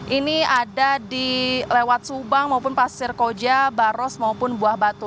ini ada di lewat subang maupun pasir koja baros maupun buah batu